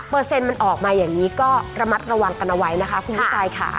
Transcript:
มันออกมาอย่างนี้ก็ระมัดระวังกันเอาไว้นะคะคุณผู้ชายค่ะ